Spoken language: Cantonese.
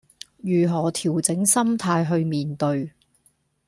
如何調整心態去面對